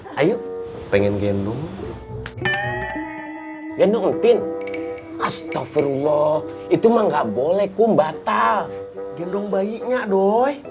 hai pengen gendong gendong ntin astaghfirullah itu mah nggak boleh kumbata gendong bayinya doy